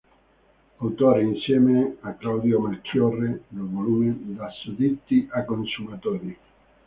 Autore insieme a Claudio Melchiorre del volume "Da sudditi a consumatori.